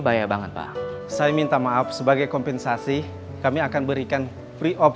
bahaya banget pak saya minta maaf sebagai kompensasi kami akan berikan free of